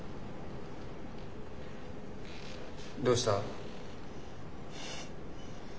どうした？